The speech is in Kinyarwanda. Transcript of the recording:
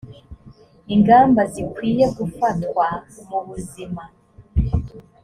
ingamba zikwiye gufatwa mu buzima